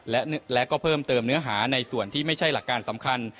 และก็เพิ่มเติมเนื้อหาในส่วนที่ไม่ใช่หลักการสำคัญ